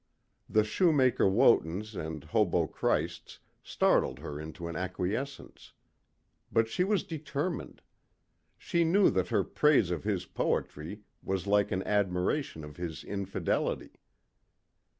The shoemaker Wotans and hobo Christs startled her into an acquiesence. But she was determined. She knew that her praise of his poetry was like an admiration of his infidelity.